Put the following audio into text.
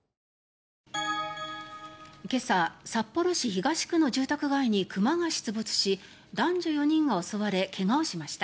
今朝、札幌市東区の住宅街に熊が出没し男女４人が襲われ怪我をしました。